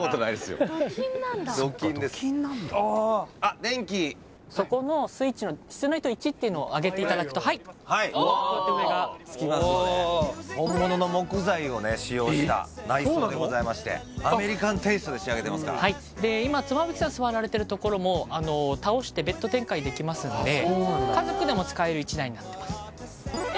電気そこのスイッチの室内灯１っていうのを上げていただくとはいこうやって上がつきますので本物の木材をね使用した内装でございましてアメリカンテイストで仕上げてますから今妻夫木さん座られてるところも倒してベッド展開できますので家族でも使える１台になってますえ